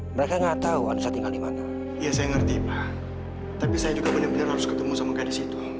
baik pak tapi saya juga benar benar harus ketemu sama gadis itu